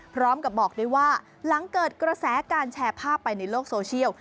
พร้อมกับบอกด้วยว่าหลังเกิดกระแสการแชร์ภาพไปในโลกโซเชียล